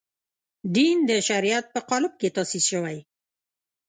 دین د شریعت په قالب کې تاسیس شوی.